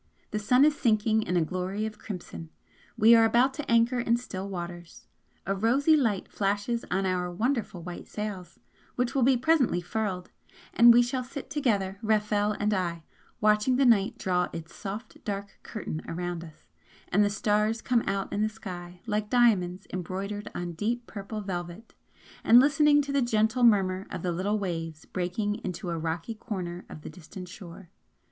The sun is sinking in a glory of crimson we are about to anchor in still waters. A rosy light flashes on our wonderful white sails, which will be presently furled; and we shall sit together, Rafel and I, watching the night draw its soft dark curtain around us, and the stars come out in the sky like diamonds embroidered on deep purple velvet, and listening to the gentle murmur of the little waves breaking into a rocky corner of the distant shore.